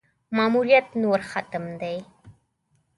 ماموریت نور ختم دی.